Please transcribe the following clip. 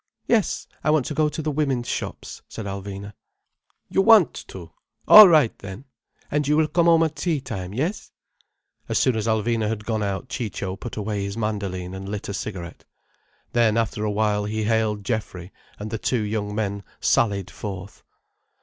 "Yes, I want to go to the women's shops," said Alvina. "You want to! All right then! And you will come home at tea time, yes?" As soon as Alvina had gone out Ciccio put away his mandoline and lit a cigarette. Then after a while he hailed Geoffrey, and the two young men sallied forth.